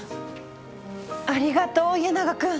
ありがとう家長君。